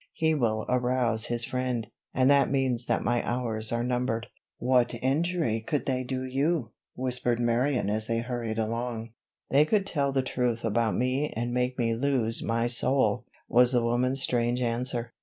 He will arouse his friend, and that means that my hours are numbered." "What injury could they do you?" whispered Marion as they hurried along. "They could tell the truth about me and make me lose my soul!" was the woman's strange answer.